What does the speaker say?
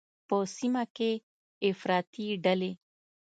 په سیمه کې افراطي ډلې